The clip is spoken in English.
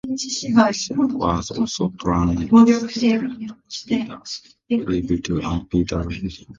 His name was also transliterated as Peter Lebedew and Peter Lebedev.